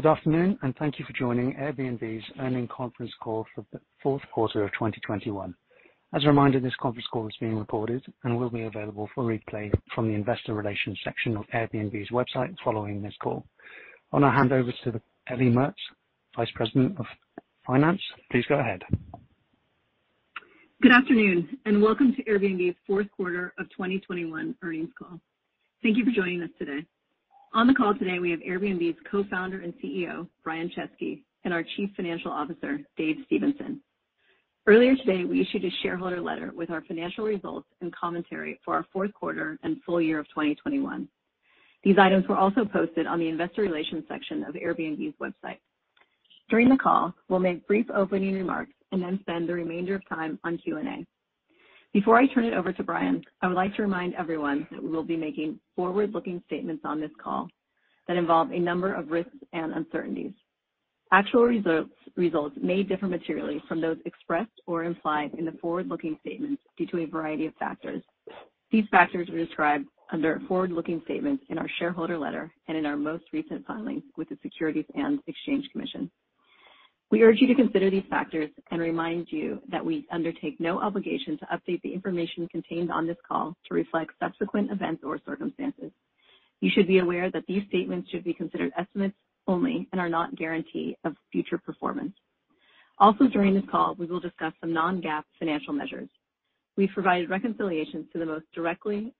Good afternoon, and thank you for joining Airbnb's Earnings Conference Call for the Q4 of 2021. As a reminder, this conference call is being recorded and will be available for replay from the investor relations section of Airbnb's website following this call. I wanna hand over to Ellie Mertz, Vice President of Finance. Please go ahead. Good afternoon, and welcome to Airbnb's Q4 of 2021 Earnings Call. Thank you for joining us today. On the call today, we have Airbnb's Co-founder and CEO, Brian Chesky, and our Chief Financial Officer, Dave Stephenson. Earlier today, we issued a shareholder letter with our financial results and commentary for our Q4 and full year of 2021. These items were also posted on the investor relations section of Airbnb's website. During the call, we'll make brief opening remarks and then spend the remainder of time on Q&A. Before I turn it over to Brian, I would like to remind everyone that we will be making forward-looking statements on this call that involve a number of risks and uncertainties. Actual results may differ materially from those expressed or implied in the forward-looking statements due to a variety of factors. These factors are described under forward-looking statements in our shareholder letter and in our most recent filings with the Securities and Exchange Commission. We urge you to consider these factors and remind you that we undertake no obligation to update the information contained on this call to reflect subsequent events or circumstances. You should be aware that these statements should be considered estimates only and are not guarantees of future performance. Also, during this call, we will discuss some non-GAAP financial measures. We've provided reconciliations to the most directly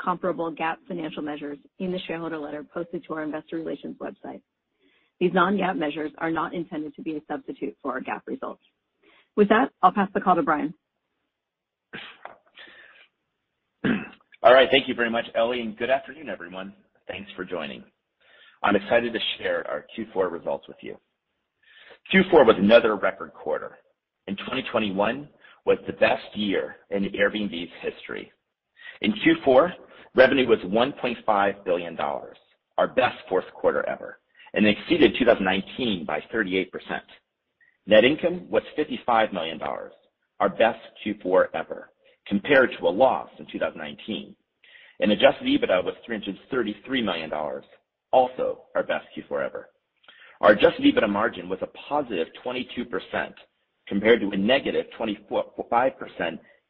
comparable GAAP financial measures in the shareholder letter posted to our investor relations website. These non-GAAP measures are not intended to be a substitute for our GAAP results. With that, I'll pass the call to Brian. All right. Thank you very much, Ellie, and good afternoon, everyone. Thanks for joining. I'm excited to share our Q4 results with you. Q4 was another record quarter, and 2021 was the best year in Airbnb's history. In Q4, revenue was $1.5 billion, our best Q4 ever, and exceeded 2019 by 38%. Net income was $55 million, our best Q4 ever, compared to a loss in 2019. Adjusted EBITDA was $333 million, also our best Q4 ever. Our adjusted EBITDA margin was a positive 22% compared to a negative 25%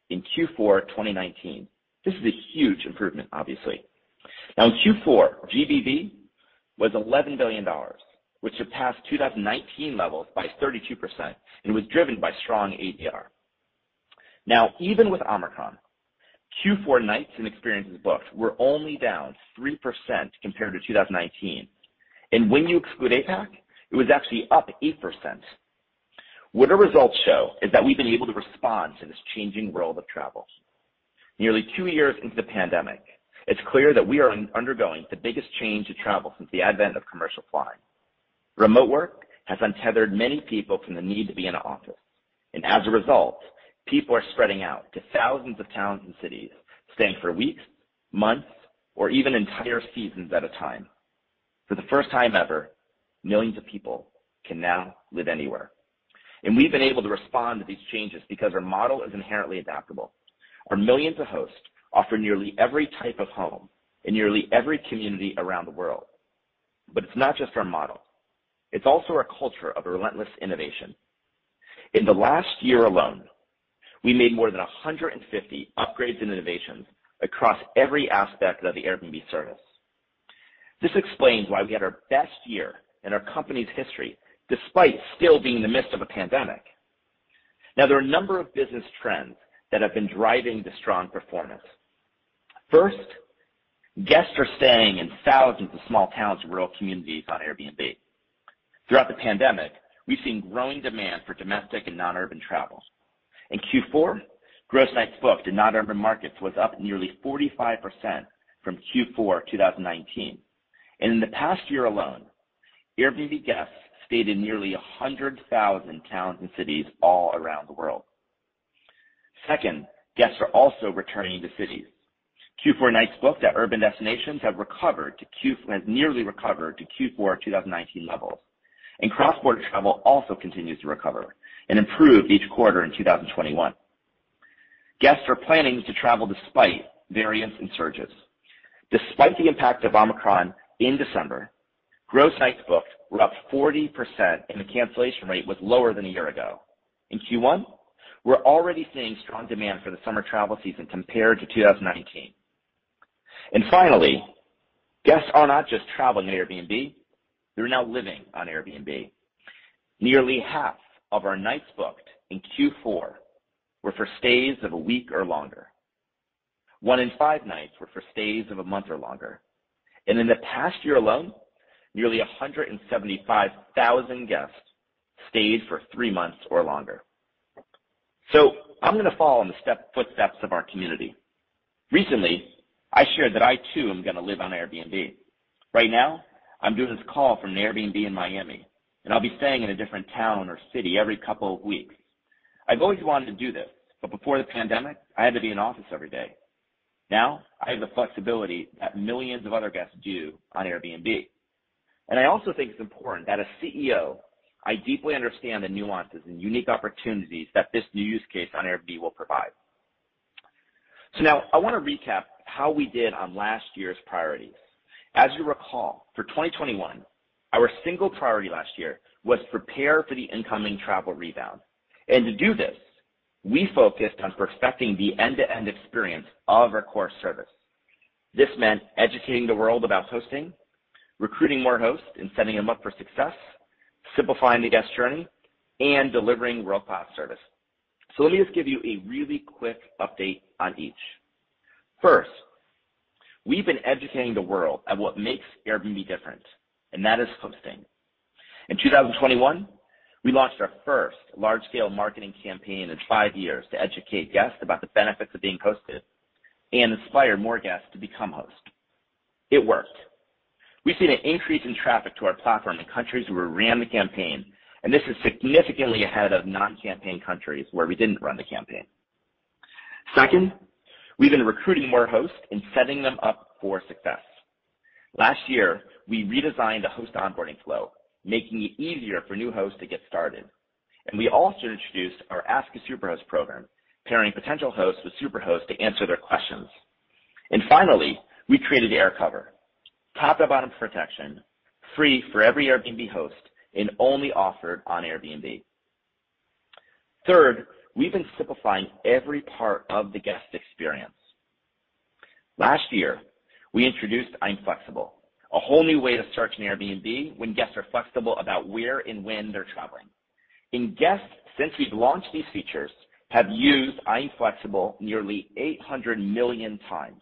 in Q4 2019. This is a huge improvement, obviously. Now in Q4, GBV was $11 billion, which surpassed 2019 levels by 32%, and was driven by strong ADR. Now, even with Omicron, Q4 nights and experiences booked were only down 3% compared to 2019. When you exclude APAC, it was actually up 8%. What our results show is that we've been able to respond to this changing world of travel. Nearly two years into the pandemic, it's clear that we are undergoing the biggest change to travel since the advent of commercial flying. Remote work has untethered many people from the need to be in an office, and as a result, people are spreading out to thousands of towns and cities, staying for weeks, months, or even entire seasons at a time. For the first time ever, millions of people can now live anywhere. We've been able to respond to these changes because our model is inherently adaptable. Our millions of hosts offer nearly every type of home in nearly every community around the world. It's not just our model, it's also our culture of relentless innovation. In the last year alone, we made more than 150 upgrades and innovations across every aspect of the Airbnb service. This explains why we had our best year in our company's history, despite still being in the midst of a pandemic. Now, there are a number of business trends that have been driving the strong performance. First, guests are staying in thousands of small towns and rural communities on Airbnb. Throughout the pandemic, we've seen growing demand for domestic and non-urban travel. In Q4, gross nights booked in non-urban markets was up nearly 45% from Q4 2019. In the past year alone, Airbnb guests stayed in nearly 100,000 towns and cities all around the world. Second, guests are also returning to cities. Q4 nights booked at urban destinations have nearly recovered to Q4 2019 levels. Cross-border travel also continues to recover and improved each quarter in 2021. Guests are planning to travel despite variants and surges. Despite the impact of Omicron in December, gross nights booked were up 40% and the cancellation rate was lower than a year ago. In Q1, we're already seeing strong demand for the summer travel season compared to 2019. Finally, guests are not just traveling on Airbnb, they're now living on Airbnb. Nearly half of our nights booked in Q4 were for stays of a week or longer. One in five nights were for stays of a month or longer. In the past year alone, nearly 175,000 guests stayed for three months or longer. I'm gonna follow in the footsteps of our community. Recently, I shared that I too am gonna live on Airbnb. Right now, I'm doing this call from an Airbnb in Miami, and I'll be staying in a different town or city every couple of weeks. I've always wanted to do this, but before the pandemic, I had to be in office every day. Now, I have the flexibility that millions of other guests do on Airbnb. I also think it's important that as CEO, I deeply understand the nuances and unique opportunities that this new use case on Airbnb will provide. Now I wanna recap how we did on last year's priorities. As you recall, for 2021, our single priority last year was to prepare for the incoming travel rebound. To do this, we focused on perfecting the end-to-end experience of our core service. This meant educating the world about hosting, recruiting more hosts and setting them up for success, simplifying the guest journey, and delivering world-class service. Let me just give you a really quick update on each. First, we've been educating the world about what makes Airbnb different, and that is hosting. In 2021, we launched our first large-scale marketing campaign in five years to educate guests about the benefits of being hosted and inspire more guests to become hosts. It worked. We've seen an increase in traffic to our platform in countries where we ran the campaign, and this is significantly ahead of non-campaign countries where we didn't run the campaign. Second, we've been recruiting more hosts and setting them up for success. Last year, we redesigned the host onboarding flow, making it easier for new hosts to get started. We also introduced our Ask a Superhost program, pairing potential hosts with Superhosts to answer their questions. Finally, we created AirCover-top-to-bottom protection, free for every Airbnb host and only offered on Airbnb. Third, we've been simplifying every part of the guest experience. Last year, we introduced I'm Flexible, a whole new way to search an Airbnb when guests are flexible about where and when they're traveling. Guests since we've launched these features have used I'm Flexible nearly 800 million times.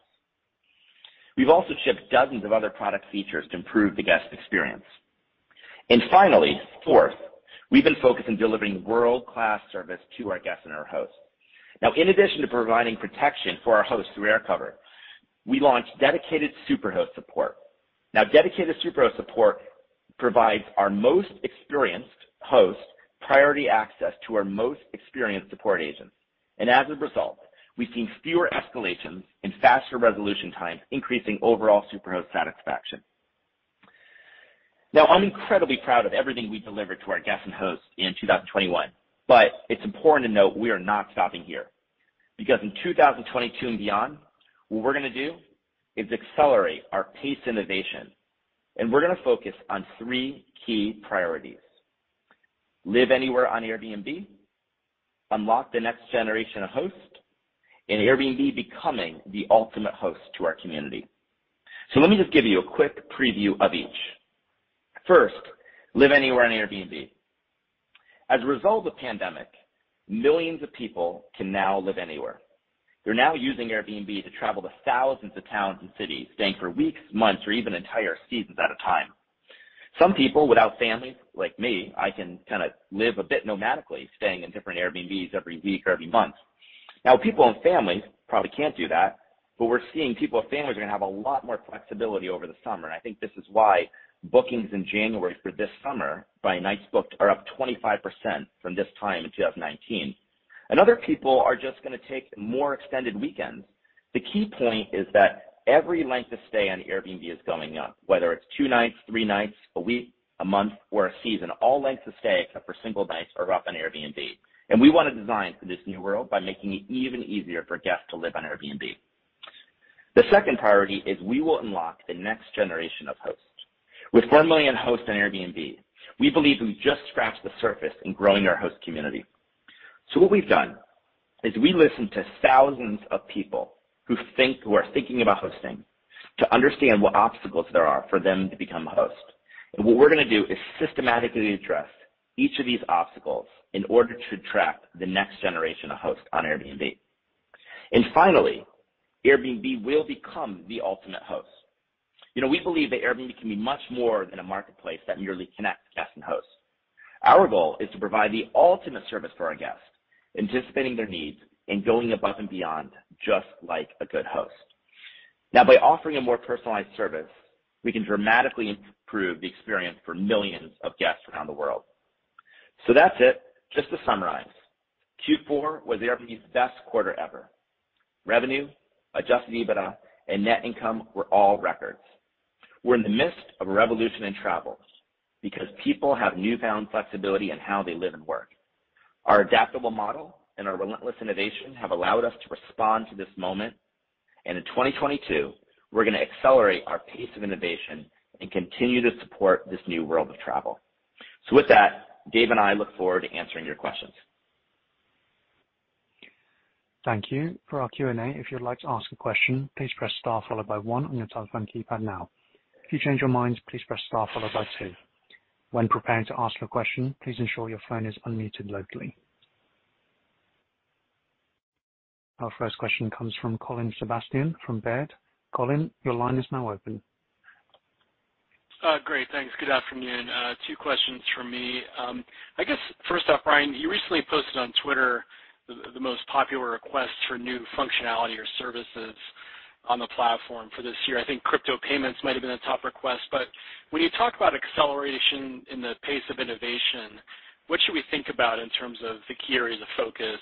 We've also shipped dozens of other product features to improve the guest experience. Finally, fourth, we've been focused on delivering world-class service to our guests and our hosts. Now, in addition to providing protection for our hosts through AirCover, we launched dedicated Superhost support. Now, dedicated Superhost support provides our most experienced hosts priority access to our most experienced support agents. As a result, we've seen fewer escalations and faster resolution times, increasing overall Superhost satisfaction. Now, I'm incredibly proud of everything we delivered to our guests and hosts in 2021, but it's important to note we are not stopping here. Because in 2022 and beyond, what we're gonna do is accelerate our pace of innovation, and we're gonna focus on three key priorities. Live anywhere on Airbnb, unlock the next generation of hosts, and Airbnb becoming the ultimate host to our community. Let me just give you a quick preview of each. First, live anywhere on Airbnb. As a result of the pandemic, millions of people can now live anywhere. They're now using Airbnb to travel to thousands of towns and cities, staying for weeks, months, or even entire seasons at a time. Some people without families, like me, I can kind of live a bit nomadically, staying in different Airbnbs every week or every month. Now, people and families probably can't do that, but we're seeing people with families are gonna have a lot more flexibility over the summer, and I think this is why bookings in January for this summer by nights booked are up 25% from this time in 2019. Other people are just gonna take more extended weekends. The key point is that every length of stay on Airbnb is going up, whether it's two nights, three nights, a week, a month, or a season. All lengths of stay, except for single nights, are up on Airbnb. We wanna design for this new world by making it even easier for guests to live on Airbnb. The second priority is we will unlock the next generation of hosts. With 4 million hosts on Airbnb, we believe we've just scratched the surface in growing our host community. What we've done is we listened to thousands of people who are thinking about hosting to understand what obstacles there are for them to become a host. What we're gonna do is systematically address each of these obstacles in order to attract the next generation of hosts on Airbnb. Finally, Airbnb will become the ultimate host. You know, we believe that Airbnb can be much more than a marketplace that merely connects guests and hosts. Our goal is to provide the ultimate service for our guests, anticipating their needs and going above and beyond, just like a good host. Now, by offering a more personalized service, we can dramatically improve the experience for millions of guests around the world. That's it. Just to summarize, Q4 was Airbnb's best quarter ever. Revenue, adjusted EBITDA, and net income were all records. We're in the midst of a revolution in travel because people have newfound flexibility in how they live and work. Our adaptable model and our relentless innovation have allowed us to respond to this moment. In 2022, we're gonna accelerate our pace of innovation and continue to support this new world of travel. With that, Dave and I look forward to answering your questions. Thank you. For our Q&A, if you'd like to ask a question, please press star followed by one on your telephone keypad now. If you change your mind, please press star followed by two. When preparing to ask your question, please ensure your phone is unmuted locally. Our first question comes from Colin Sebastian from Baird. Colin, your line is now open. Great. Thanks. Good afternoon. Two questions from me. I guess, first off, Brian, you recently posted on Twitter the most popular requests for new functionality or services on the platform for this year. I think crypto payments might have been a top request. When you talk about acceleration in the pace of innovation, what should we think about in terms of the key areas of focus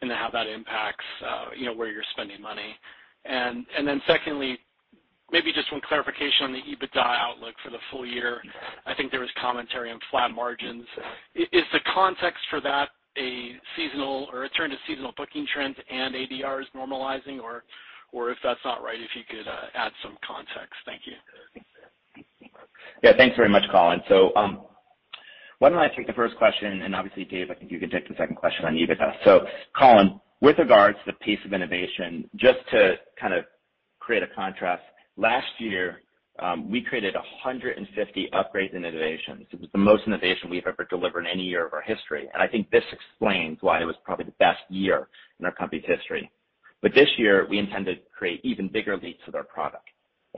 and how that impacts, you know, where you're spending money? Then secondly, maybe just one clarification on the EBITDA outlook for the full year. I think there was commentary on flat margins. Is the context for that a seasonal or a return to seasonal booking trends and ADRs normalizing? Or if that's not right, if you could add some context. Thank you. Yeah. Thanks very much, Colin. Why don't I take the first question, and obviously, Dave, I think you can take the second question on EBITDA. Colin, with regards to the pace of innovation, just to kind of create a contrast, last year, we created 150 upgrade innovations. It was the most innovation we've ever delivered in any year of our history. I think this explains why it was probably the best year in our company's history. This year, we intend to create even bigger leaps with our product.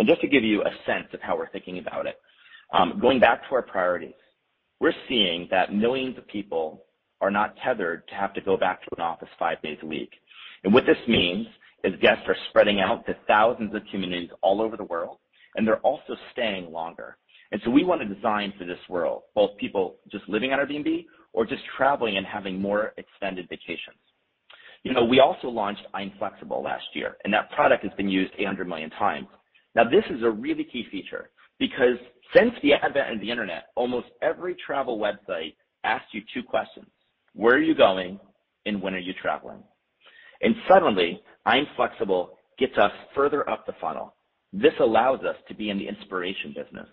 Just to give you a sense of how we're thinking about it, going back to our priorities, we're seeing that millions of people are not tethered to have to go back to an office five days a week. What this means is guests are spreading out to thousands of communities all over the world, and they're also staying longer. We wanna design for this world, both people just living on Airbnb or just traveling and having more extended vacations. You know, we also launched I'm Flexible last year, and that product has been used 800 million times. Now, this is a really key feature because since the advent of the internet, almost every travel website asks you two questions, where are you going and when are you traveling? Suddenly, I'm Flexible gets us further up the funnel. This allows us to be in the inspiration business,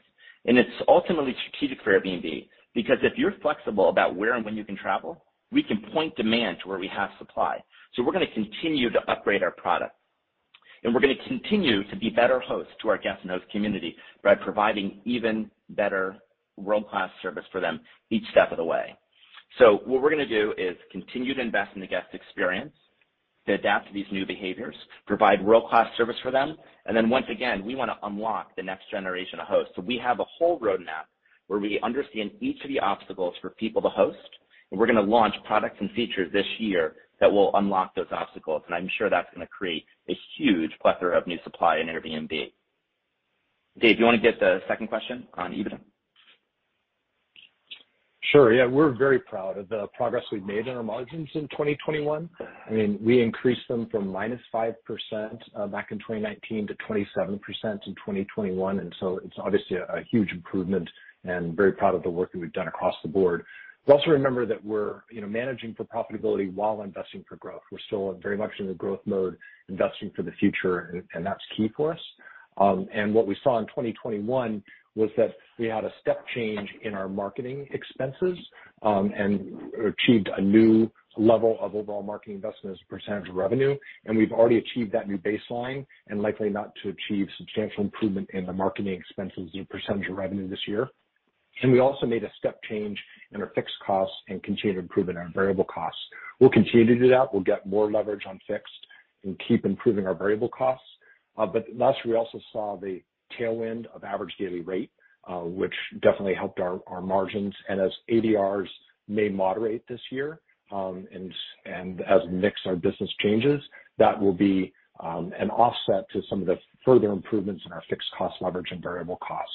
and it's ultimately strategic for Airbnb because if you're flexible about where and when you can travel, we can point demand to where we have supply. We're gonna continue to upgrade our product, and we're gonna continue to be better hosts to our guests and host community by providing even better world-class service for them each step of the way. What we're gonna do is continue to invest in the guest experience, to adapt to these new behaviors, provide world-class service for them, and then once again, we wanna unlock the next generation of hosts. We have a whole roadmap where we understand each of the obstacles for people to host, and we're gonna launch products and features this year that will unlock those obstacles. I'm sure that's gonna create a huge plethora of new supply in Airbnb. Dave, do you wanna get the second question on EBITDA? Sure. Yeah. We're very proud of the progress we've made in our margins in 2021. I mean, we increased them from -5%, back in 2019 to 27% in 2021, and so it's obviously a huge improvement and very proud of the work that we've done across the board. Also remember that we're, you know, managing for profitability while investing for growth. We're still very much in the growth mode, investing for the future, and that's key for us. What we saw in 2021 was that we had a step change in our marketing expenses, and achieved a new level of overall marketing investment as a percentage of revenue. We've already achieved that new baseline and likely not to achieve substantial improvement in the marketing expenses as a percentage of revenue this year. We also made a step change in our fixed costs and continued improvement on variable costs. We'll continue to do that. We'll get more leverage on fixed and keep improving our variable costs. Last year, we also saw the tailwind of average daily rate, which definitely helped our margins. As ADRs may moderate this year, and as mix of our business changes, that will be an offset to some of the further improvements in our fixed cost leverage and variable costs.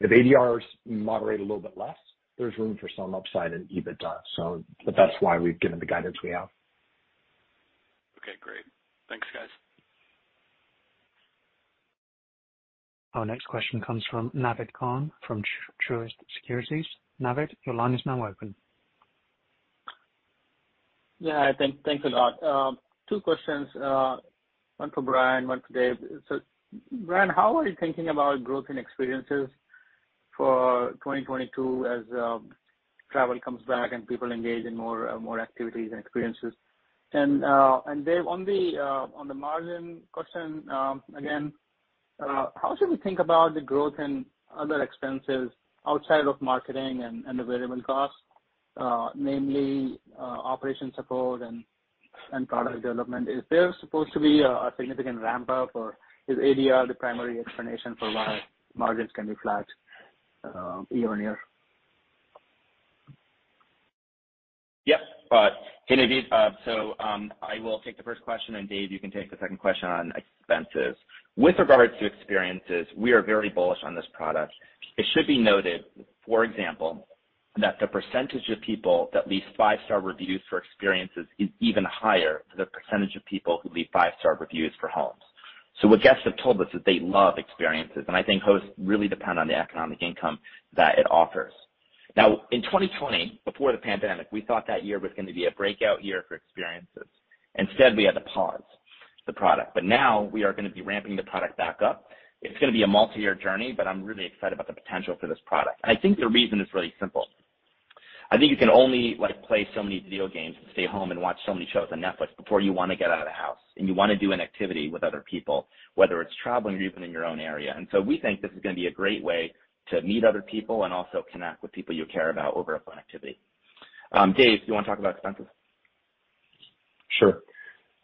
If ADRs moderate a little bit less, there's room for some upside in EBITDA. That's why we've given the guidance we have. Okay, great. Thanks, guys. Our next question comes from Naved Khan from Truist Securities. Naved, your line is now open. Thanks a lot. Two questions, one for Brian, one for Dave. Brian, how are you thinking about growth and experiences for 2022 as travel comes back and people engage in more activities and experiences? Dave, on the margin question, again, how should we think about the growth in other expenses outside of marketing and the variable costs, namely, operations support and product development? Is there supposed to be a significant ramp up, or is ADR the primary explanation for why margins can be flat year-on-year? Yep. Hey, Naved. I will take the first question, and Dave, you can take the second question on expenses. With regards to Experiences, we are very bullish on this product. It should be noted, for example, that the percentage of people that leave five-star reviews for Experiences is even higher than the percentage of people who leave five-star reviews for homes. What guests have told us is they love Experiences, and I think hosts really depend on the economic income that it offers. Now, in 2020, before the pandemic, we thought that year was gonna be a breakout year for Experiences. Instead, we had to pause the product. Now we are gonna be ramping the product back up. It's gonna be a multi-year journey, but I'm really excited about the potential for this product. I think the reason is really simple. I think you can only, like, play so many video games and stay home and watch so many shows on Netflix before you wanna get out of the house and you wanna do an activity with other people, whether it's traveling or even in your own area. We think this is gonna be a great way to meet other people and also connect with people you care about over a fun activity. Dave, do you wanna talk about expenses? Sure.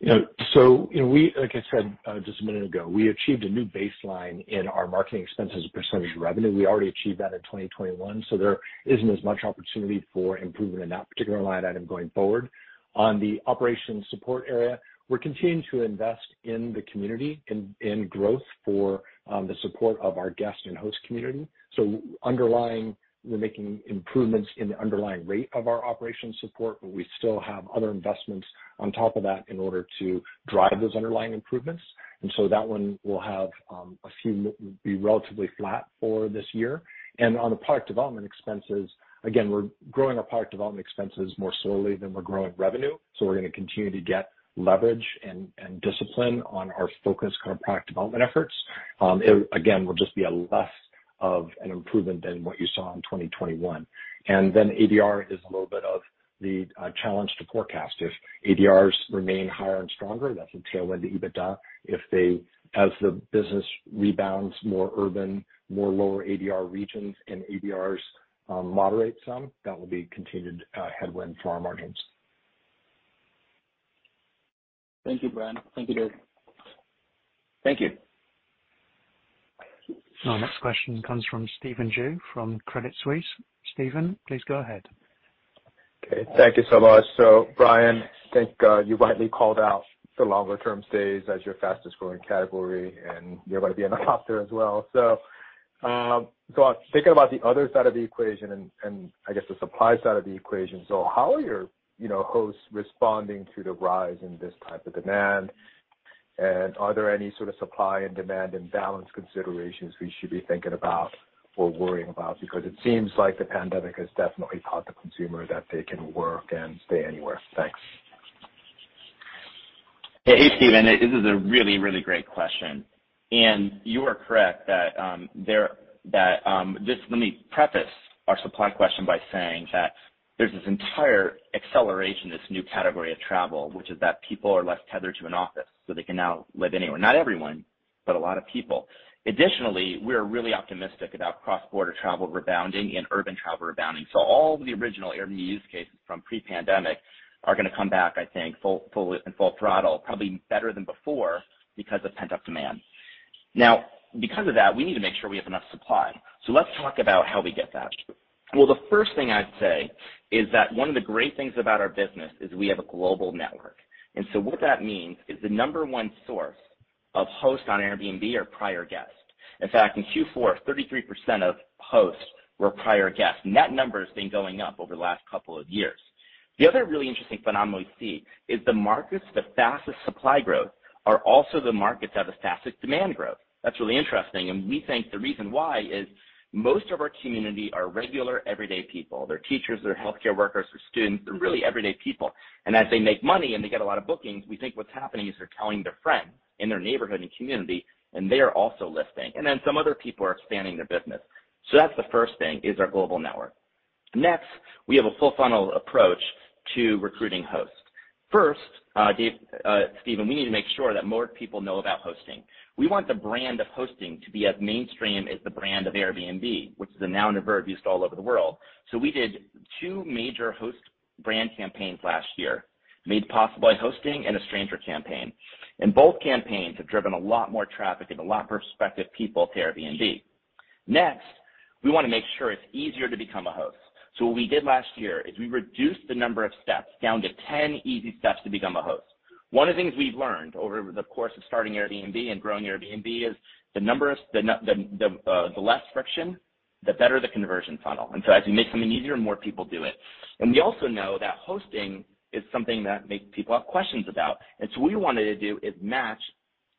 You know, so, you know, like I said just a minute ago, we achieved a new baseline in our marketing expense as a percentage of revenue. We already achieved that in 2021, so there isn't as much opportunity for improvement in that particular line item going forward. On the operations support area, we're continuing to invest in the community, in growth for the support of our guest and host community. Underlying, we're making improvements in the underlying rate of our operations support, but we still have other investments on top of that in order to drive those underlying improvements. That one will have, assumed to be, relatively flat for this year. On the product development expenses, again, we're growing our product development expenses more slowly than we're growing revenue, so we're gonna continue to get leverage and discipline on our focus on our product development efforts. It again will just be a less of an improvement than what you saw in 2021. Then ADR is a little bit of the challenge to forecast. If ADRs remain higher and stronger, that's a tailwind to EBITDA. As the business rebounds more urban, more lower ADR regions and ADRs moderate some, that will be continued headwind for our margins. Thank you, Brian. Thank you, Dave. Thank you. Our next question comes from Stephen Ju from Credit Suisse. Stephen, please go ahead. Okay. Thank you so much. Brian, I think you rightly called out the longer term stays as your fastest growing category, and you're gonna be in the office as well. Thinking about the other side of the equation and I guess the supply side of the equation, how are your, you know, hosts responding to the rise in this type of demand? Are there any sort of supply and demand and balance considerations we should be thinking about or worrying about? Because it seems like the pandemic has definitely taught the consumer that they can work and stay anywhere. Thanks. Hey, Stephen, this is a really, really great question. You are correct that just let me preface our supply question by saying that there's this entire acceleration, this new category of travel, which is that people are less tethered to an office, so they can now live anywhere. Not everyone, but a lot of people. Additionally, we're really optimistic about cross-border travel rebounding and urban travel rebounding. All the original Airbnb use cases from pre-pandemic are gonna come back, I think, in full throttle, probably better than before because of pent-up demand. Now, because of that, we need to make sure we have enough supply. Let's talk about how we get that. Well, the first thing I'd say is that one of the great things about our business is we have a global network. What that means is the number one source of hosts on Airbnb are prior guests. In fact, in Q4, 33% of hosts were prior guests. Net number has been going up over the last couple of years. The other really interesting phenomenon we see is the markets with the fastest supply growth are also the markets that have the fastest demand growth. That's really interesting, and we think the reason why is most of our community are regular everyday people. They're teachers, they're healthcare workers, they're students, they're really everyday people. As they make money and they get a lot of bookings, we think what's happening is they're telling their friends in their neighborhood and community, and they are also listing. Some other people are expanding their business. That's the first thing, is our global network. Next, we have a full funnel approach to recruiting hosts. First, Dave Stephenson, we need to make sure that more people know about hosting. We want the brand of hosting to be as mainstream as the brand of Airbnb, which is a noun and a verb used all over the world. We did two major host brand campaigns last year, Made Possible by Hosting and a Stranger campaign. Both campaigns have driven a lot more traffic and a lot more prospective people to Airbnb. Next, we wanna make sure it's easier to become a host. What we did last year is we reduced the number of steps down to 10 easy steps to become a host. One of the things we've learned over the course of starting Airbnb and growing Airbnb is the less friction, the better the conversion funnel. As you make something easier, more people do it. We also know that hosting is something that make people have questions about. What we wanted to do is match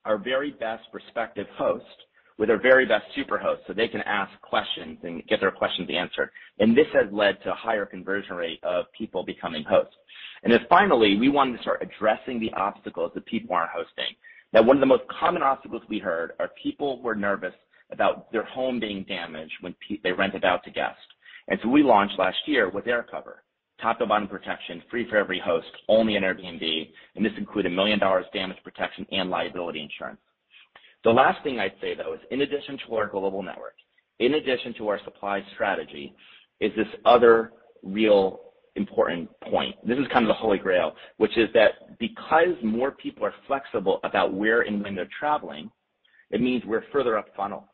our very best prospective host with our very best Superhost, so they can ask questions and get their questions answered. This has led to a higher conversion rate of people becoming hosts. Finally, we wanted to start addressing the obstacles that people aren't hosting. Now, one of the most common obstacles we heard are people were nervous about their home being damaged when they rent it out to guests. We launched last year with AirCover, top-to-bottom protection, free for every host, only on Airbnb, and this included $1 million damage protection and liability insurance. The last thing I'd say, though, is in addition to our global network, in addition to our supply strategy, is this other real important point. This is kind of the holy grail, which is that because more people are flexible about where and when they're traveling, it means we're further up funnel.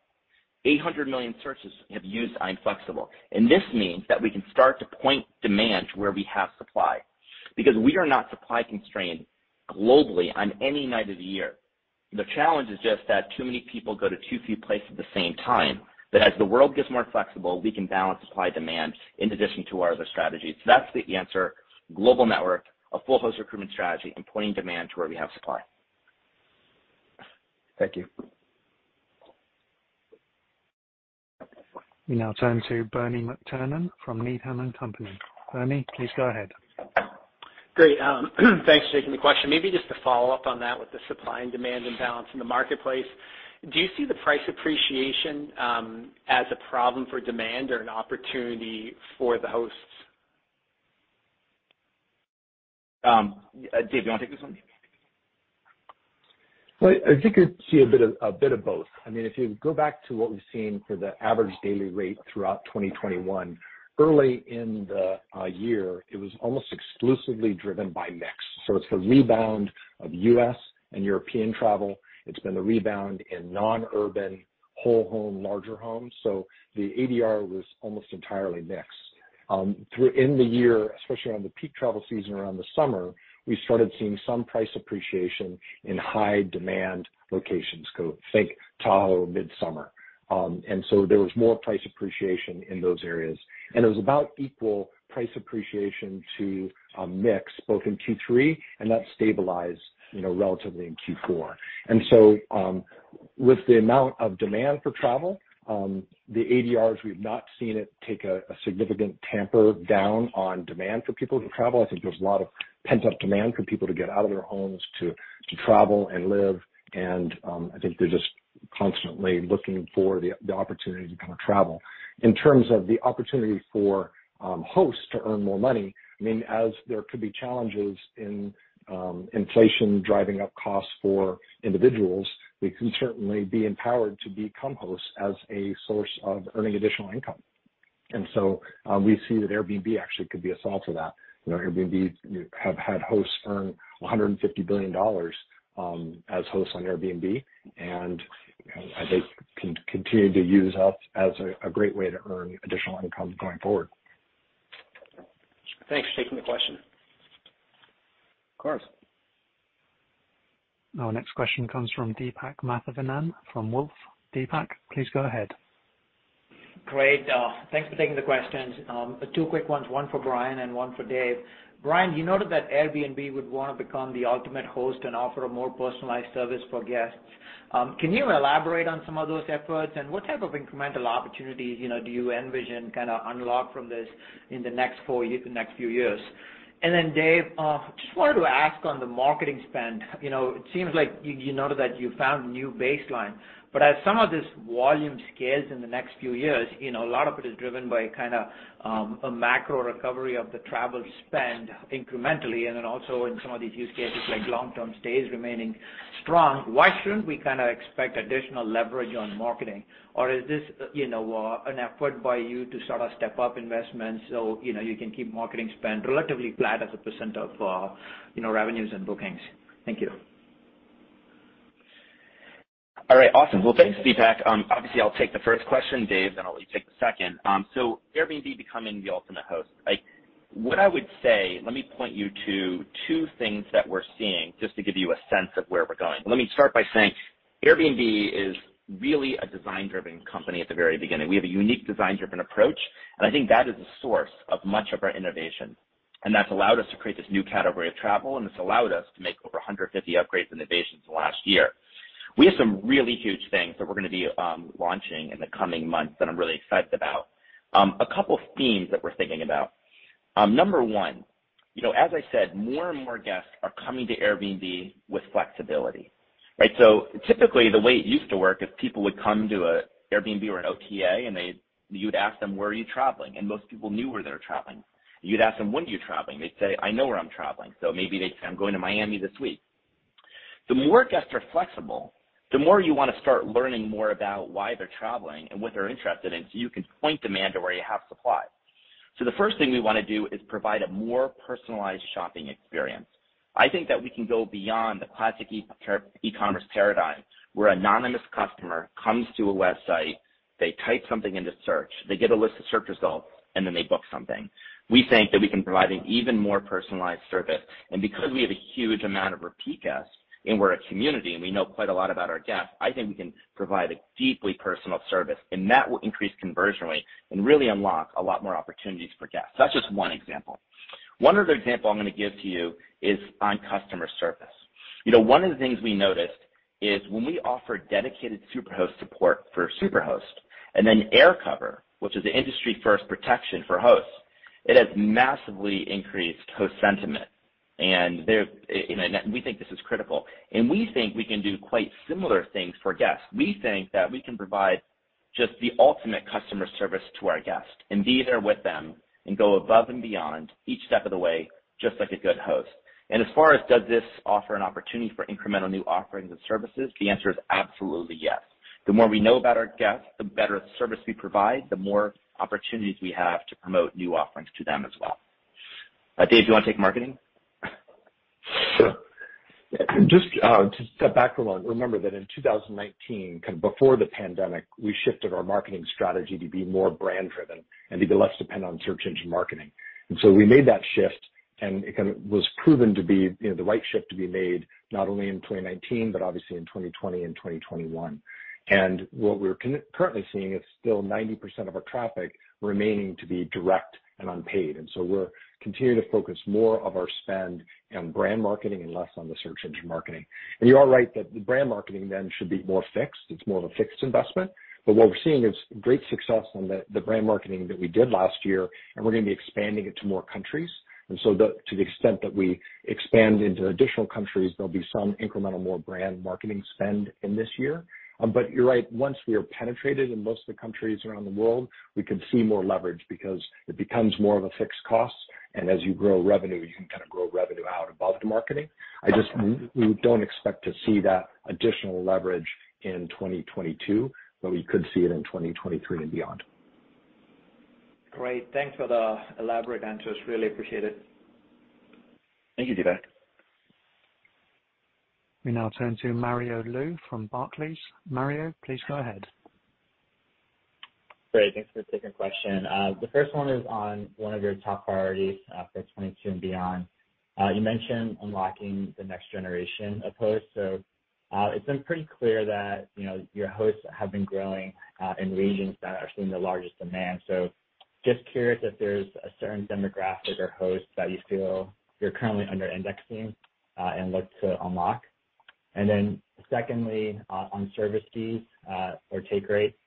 800 million searches have used "I'm Flexible," and this means that we can start to point demand to where we have supply because we are not supply constrained globally on any night of the year. The challenge is just that too many people go to too few places at the same time, that as the world gets more flexible, we can balance supply and demand in addition to our other strategies. That's the answer. Global network, a full host recruitment strategy, and pointing demand to where we have supply. Thank you. We now turn to Bernie McTernan from Needham & Company. Bernie, please go ahead. Great. Thanks for taking the question. Maybe just to follow up on that with the supply and demand imbalance in the marketplace, do you see the price appreciation as a problem for demand or an opportunity for the hosts? Dave, you wanna take this one? Well, I think you'd see a bit of both. I mean, if you go back to what we've seen for the average daily rate throughout 2021, early in the year, it was almost exclusively driven by mix. It's the rebound of U.S. and European travel. It's been the rebound in non-urban, whole home, larger homes. The ADR was almost entirely mixed. Throughout the year, especially on the peak travel season around the summer, we started seeing some price appreciation in high demand locations. Think Tahoe midsummer. And so there was more price appreciation in those areas. It was about equal price appreciation to mix both in Q3, and that stabilized, you know, relatively in Q4. With the amount of demand for travel, the ADRs, we've not seen it take a significant tamp down on demand for people to travel. I think there's a lot of pent-up demand for people to get out of their homes, to travel and live. I think they're just constantly looking for the opportunity to kind of travel. In terms of the opportunity for hosts to earn more money, I mean, as there could be challenges in inflation driving up costs for individuals, they can certainly be empowered to become hosts as a source of earning additional income. We see that Airbnb actually could be a source of that. You know, Airbnb, you have had hosts earn $150 billion as hosts on Airbnb, and you know, I think can continue to use us as a great way to earn additional income going forward. Thanks for taking the question. Of course. Our next question comes from Deepak Mathivanan from Wolfe. Deepak, please go ahead. Great. Thanks for taking the questions. Two quick ones, one for Brian and one for Dave. Brian, you noted that Airbnb would wanna become the ultimate host and offer a more personalized service for guests. Can you elaborate on some of those efforts? And what type of incremental opportunities, you know, do you envision kinda unlocked from this in the next few years? And then Dave, just wanted to ask on the marketing spend. You know, it seems like you noted that you found new baseline, but as some of this volume scales in the next few years, you know, a lot of it is driven by kinda, a macro recovery of the travel spend incrementally, and then also in some of these use cases like long-term stays remaining strong, why shouldn't we kinda expect additional leverage on marketing? Is this, you know, an effort by you to sort of step up investments so, you know, you can keep marketing spend relatively flat as a percent of, you know, revenues and bookings? Thank you. All right. Awesome. Well, thanks, Deepak. Obviously, I'll take the first question, Dave, then I'll let you take the second. So Airbnb becoming the ultimate host. Like, what I would say, let me point you to two things that we're seeing just to give you a sense of where we're going. Let me start by saying Airbnb is really a design-driven company at the very beginning. We have a unique design-driven approach, and I think that is a source of much of our innovation. That's allowed us to create this new category of travel, and it's allowed us to make over 150 upgrades and innovations in the last year. We have some really huge things that we're gonna be launching in the coming months that I'm really excited about. A couple themes that we're thinking about. Number one, you know, as I said, more and more guests are coming to Airbnb with flexibility, right? Typically, the way it used to work is people would come to a Airbnb or an OTA, and you'd ask them, where are you traveling? And most people knew where they were traveling. You'd ask them, when are you traveling? They'd say, "I know where I'm traveling." Maybe they'd say, "I'm going to Miami this week." The more guests are flexible, the more you wanna start learning more about why they're traveling and what they're interested in, so you can point demand to where you have supply. The first thing we wanna do is provide a more personalized shopping experience. I think that we can go beyond the classic e-commerce paradigm, where anonymous customer comes to a website, they type something into search, they get a list of search results, and then they book something. We think that we can provide an even more personalized service. Because we have a huge amount of repeat guests, and we're a community, and we know quite a lot about our guests, I think we can provide a deeply personal service, and that will increase conversion rate and really unlock a lot more opportunities for guests. That's just one example. One other example I'm gonna give to you is on customer service. You know, one of the things we noticed is when we offer dedicated Superhost support for Superhost and then AirCover, which is an industry-first protection for hosts, it has massively increased host sentiment. There, you know, and we think this is critical. We think we can do quite similar things for guests. We think that we can provide just the ultimate customer service to our guests and be there with them and go above and beyond each step of the way, just like a good host. As far as does this offer an opportunity for incremental new offerings and services, the answer is absolutely yes. The more we know about our guests, the better the service we provide, the more opportunities we have to promote new offerings to them as well. Dave, do you wanna take marketing? Sure. Yeah. Just to step back for a moment, remember that in 2019, kind of before the pandemic, we shifted our marketing strategy to be more brand-driven and to be less dependent on search engine marketing. We made that shift, and it kind of was proven to be, you know, the right shift to be made, not only in 2019, but obviously in 2020 and 2021. What we're currently seeing is still 90% of our traffic remaining to be direct and unpaid. We're continuing to focus more of our spend on brand marketing and less on the search engine marketing. You are right that the brand marketing then should be more fixed. It's more of a fixed investment. What we're seeing is great success on the brand marketing that we did last year, and we're gonna be expanding it to more countries. To the extent that we expand into additional countries, there'll be some incremental more brand marketing spend in this year. You're right. Once we are penetrated in most of the countries around the world, we can see more leverage because it becomes more of a fixed cost, and as you grow revenue, you can kind of grow revenue out above the marketing. We don't expect to see that additional leverage in 2022, but we could see it in 2023 and beyond. Great. Thanks for the elaborate answers. Really appreciate it. Thank you, Deepak. We now turn to Mario Lu from Barclays. Mario, please go ahead. Great. Thanks for taking the question. The first one is on one of your top priorities, for 2022 and beyond. You mentioned unlocking the next generation of hosts. It's been pretty clear that, you know, your hosts have been growing, in regions that are seeing the largest demand. Just curious if there's a certain demographic or host that you feel you're currently under-indexing, and look to unlock. Then secondly, on service fees, or take rates,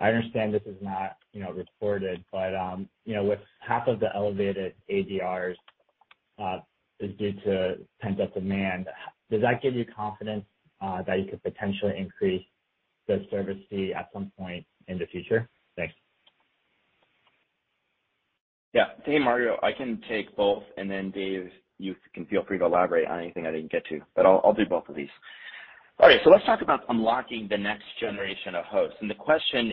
I understand this is not, you know, reported, but, you know, with half of the elevated ADRs is due to pent-up demand. Does that give you confidence, that you could potentially increase the service fee at some point in the future? Thanks. Yeah. Hey, Mario, I can take both, and then Dave, you can feel free to elaborate on anything I didn't get to, but I'll do both of these. All right, so let's talk about unlocking the next generation of hosts. The question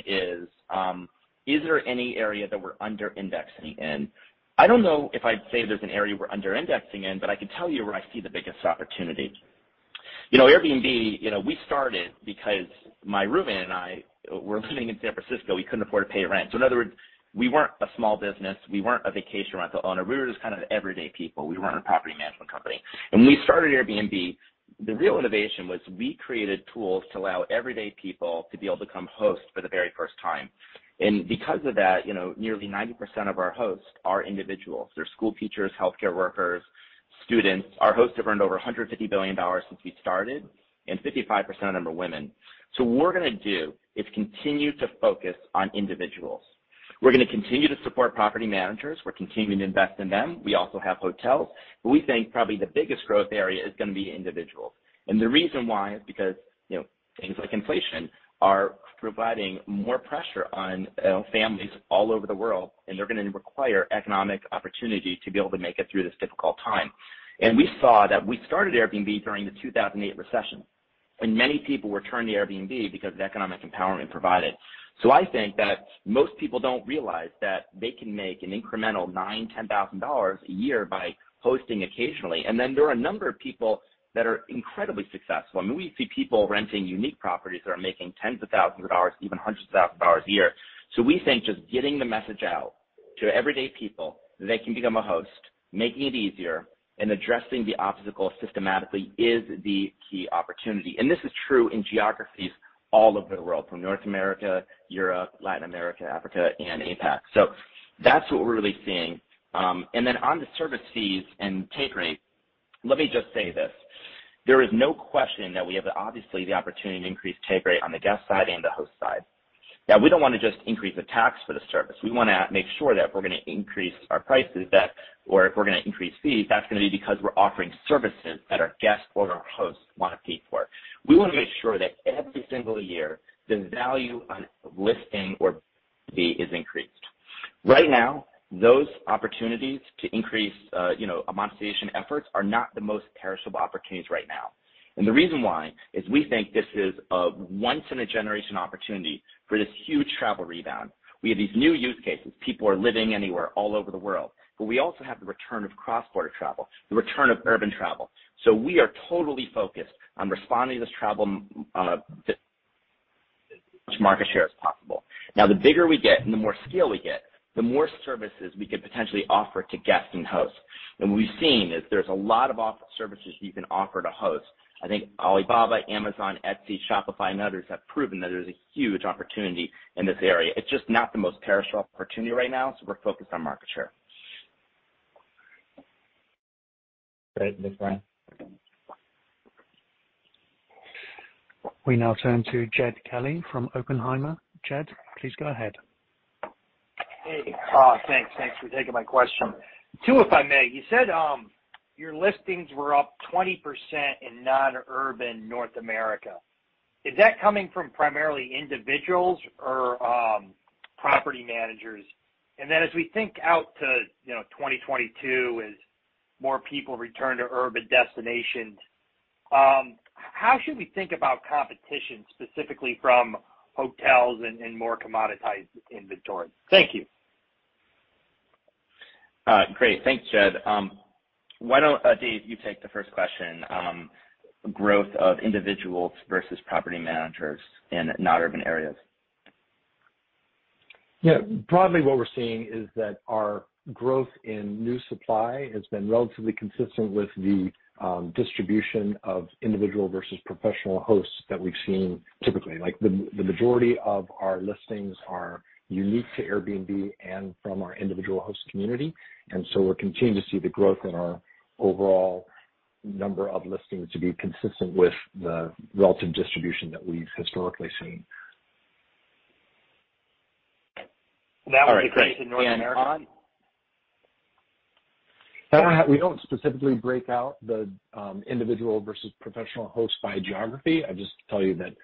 is there any area that we're under indexing in? I don't know if I'd say there's an area we're under indexing in, but I can tell you where I see the biggest opportunity. You know, Airbnb, you know, we started because my roommate and I were living in San Francisco, we couldn't afford to pay rent. So in other words, we weren't a small business, we weren't a vacation rental owner. We were just kind of everyday people. We weren't a property management company. When we started Airbnb, the real innovation was we created tools to allow everyday people to be able to become hosts for the very first time. Because of that, you know, nearly 90% of our hosts are individuals. They're school teachers, healthcare workers, students. Our hosts have earned over $150 billion since we started, and 55% of them are women. What we're gonna do is continue to focus on individuals. We're gonna continue to support property managers. We're continuing to invest in them. We also have hotels, but we think probably the biggest growth area is gonna be individuals. The reason why is because, you know, things like inflation are providing more pressure on families all over the world, and they're gonna require economic opportunity to be able to make it through this difficult time. We saw that we started Airbnb during the 2008 recession, when many people were turning to Airbnb because of the economic empowerment provided. I think that most people don't realize that they can make an incremental $9,000-$10,000 a year by hosting occasionally. Then there are a number of people that are incredibly successful. I mean, we see people renting unique properties that are making tens of thousands of dollars, even hundreds of thousands of dollars a year. We think just getting the message out to everyday people that they can become a host, making it easier and addressing the obstacles systematically is the key opportunity. This is true in geographies all over the world, from North America, Europe, Latin America, Africa, and APAC. That's what we're really seeing. On the service fees and take rate, let me just say this: There is no question that we have obviously the opportunity to increase take rate on the guest side and the host side. Now, we don't wanna just increase the take for the service. We wanna make sure that if we're gonna increase our prices, or if we're gonna increase fees, that's gonna be because we're offering services that our guests or our hosts wanna pay for. We wanna make sure that every single year, the value on listing or booking is increased. Right now, those opportunities to increase, you know, monetization efforts are not the most perishable opportunities right now. The reason why is we think this is a once in a generation opportunity for this huge travel rebound. We have these new use cases. People are living anywhere all over the world, but we also have the return of cross-border travel, the return of urban travel. We are totally focused on responding to this travel as much market share as possible. Now, the bigger we get and the more scale we get, the more services we could potentially offer to guests and hosts. What we've seen is there's a lot of off services you can offer to hosts. I think Alibaba, Amazon, Etsy, Shopify, and others have proven that there's a huge opportunity in this area. It's just not the most perishable opportunity right now, so we're focused on market share. Great. Thanks, Brian. We now turn to Jed Kelly from Oppenheimer. Jed, please go ahead. Hey. Thanks for taking my question. 2, if I may. You said your listings were up 20% in non-urban North America. Is that coming from primarily individuals or property managers? Then as we think out to 2022, as more people return to urban destinations, how should we think about competition, specifically from hotels and more commoditized inventory? Thank you. Great. Thanks, Jed. Why don't, Dave, you take the first question, growth of individuals versus property managers in non-urban areas. Yeah. Broadly, what we're seeing is that our growth in new supply has been relatively consistent with the distribution of individual versus professional hosts that we've seen typically. Like, the majority of our listings are unique to Airbnb and from our individual host community, and so we're continuing to see the growth in our overall number of listings to be consistent with the relative distribution that we've historically seen. That was just in North America? All right, great. We don't specifically break out the individual versus professional host by geography. I'll just tell you that,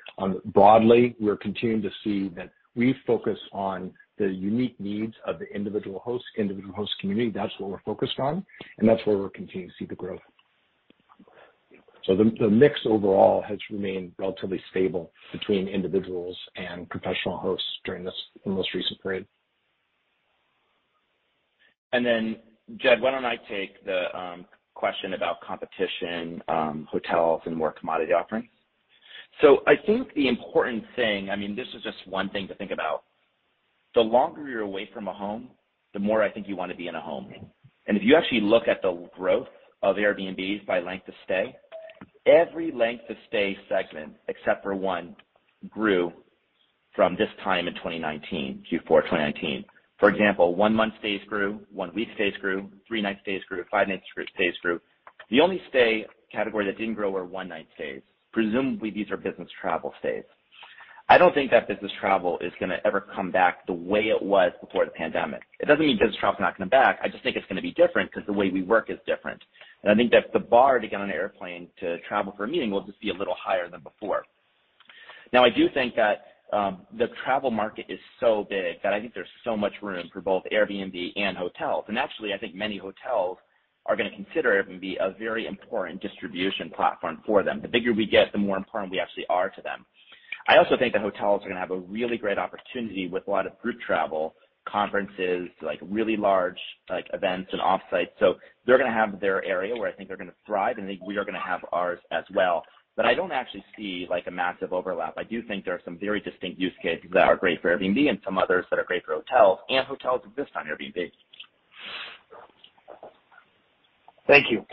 broadly, we're continuing to see that we focus on the unique needs of the individual host, individual host community. That's what we're focused on, and that's where we're continuing to see the growth. The mix overall has remained relatively stable between individuals and professional hosts during, in this recent period. Jed, why don't I take the question about competition, hotels and more commodity offerings. I think the important thing, I mean, this is just one thing to think about. The longer you're away from a home, the more I think you wanna be in a home. If you actually look at the growth of Airbnbs by length of stay, every length of stay segment, except for one, grew from this time in 2019, Q4 2019. For example, one-month stays grew, one-week stays grew, three-night stays grew, five-night stays grew. The only stay category that didn't grow were one-night stays. Presumably, these are business travel stays. I don't think that business travel is gonna ever come back the way it was before the pandemic. It doesn't mean business travel is not gonna be back, I just think it's gonna be different because the way we work is different. I think that the bar to get on an airplane to travel for a meeting will just be a little higher than before. Now, I do think that, the travel market is so big that I think there's so much room for both Airbnb and hotels. Actually, I think many hotels are gonna consider Airbnb a very important distribution platform for them. The bigger we get, the more important we actually are to them. I also think that hotels are gonna have a really great opportunity with a lot of group travel, conferences, like really large, like, events and offsite. They're gonna have their area where I think they're gonna thrive, and I think we are gonna have ours as well. I don't actually see, like, a massive overlap. I do think there are some very distinct use cases that are great for Airbnb and some others that are great for hotels, and hotels exist on Airbnb. Thank you.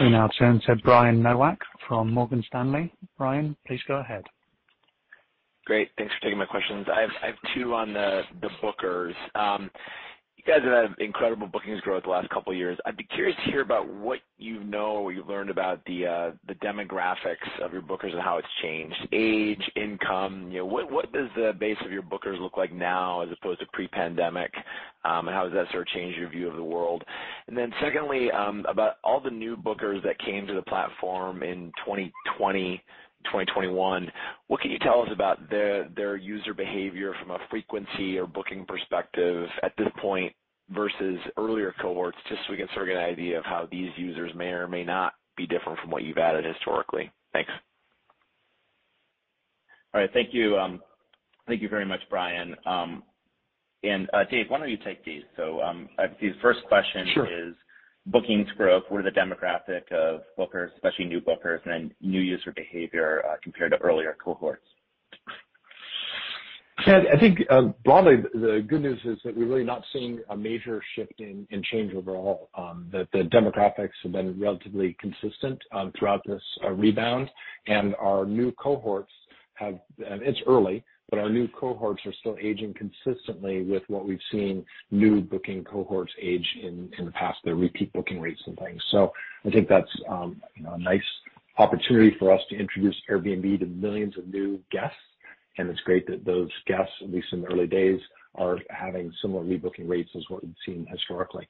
We now turn to Brian Nowak from Morgan Stanley. Brian, please go ahead. Great. Thanks for taking my questions. I have two on the bookers. You guys have had incredible bookings growth the last couple years. I'd be curious to hear about what you know or you've learned about the demographics of your bookers and how it's changed, age, income. You know, what does the base of your bookers look like now as opposed to pre-pandemic? How has that sort of changed your view of the world? Then secondly, about all the new bookers that came to the platform in 2020, 2021, what can you tell us about their user behavior from a frequency or booking perspective at this point versus earlier cohorts, just so we can sort of get an idea of how these users may or may not be different from what you've added historically? Thanks. All right. Thank you. Thank you very much, Brian. And, Dave, why don't you take these? I think the first question. Sure. Is bookings growth, what are the demographics of bookers, especially new bookers, and then new user behavior, compared to earlier cohorts. Chad, I think broadly, the good news is that we're really not seeing a major shift in change overall. The demographics have been relatively consistent throughout this rebound. Our new cohorts are still aging consistently with what we've seen new booking cohorts age in the past, their repeat booking rates and things. I think that's a nice opportunity for us to introduce Airbnb to millions of new guests. It's great that those guests, at least in the early days, are having similar rebooking rates as what we've seen historically.